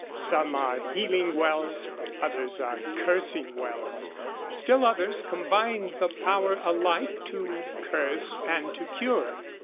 Some are healing wells; others are cursing wells; still others combine the power alike to curse and to cure.